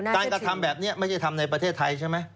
กระทำแบบนี้ไม่ใช่ทำในประเทศไทยใช่ไหม